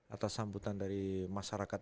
atas sambutan dari masyarakat